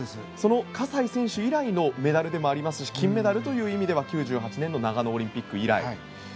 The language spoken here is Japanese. その葛西選手以来のメダルでもありますし金メダルという意味では９８年の長野オリンピック以来。